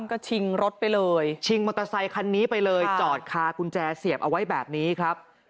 ก็ชิงรถไปเลยชิงมอเตอร์ไซคันนี้ไปเลยจอดคากุญแจเสียบเอาไว้แบบนี้ครับ